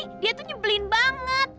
dia tuh nyebelin banget